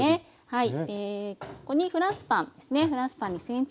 はい。